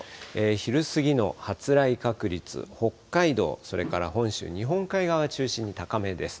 昼過ぎの発雷確率、北海道、それから本州、日本海側中心に高めです。